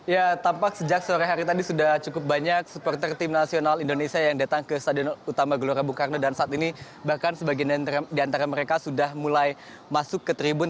ya tampak sejak sore hari tadi sudah cukup banyak supporter tim nasional indonesia yang datang ke stadion utama gelora bung karno dan saat ini bahkan sebagian di antara mereka sudah mulai masuk ke tribun